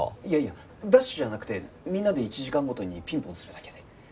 いやいやダッシュじゃなくてみんなで１時間ごとにピンポンするだけで。